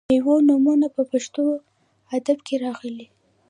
د میوو نومونه په پښتو ادب کې راغلي.